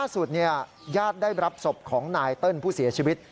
ญาติได้รับศพของนายเติ้ลผู้เสียชีวิต